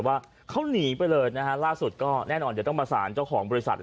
ว่าเขาหนีไปเลยนะฮะล่าสุดก็แน่นอนเดี๋ยวต้องประสานเจ้าของบริษัท